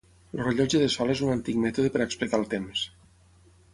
El rellotge de sol és un antic mètode per explicar el temps.